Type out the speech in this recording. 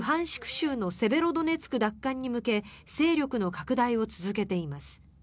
州のセベロドネツク奪還に向け勢力の拡大を続けています。